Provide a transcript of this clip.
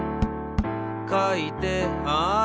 「かいてある」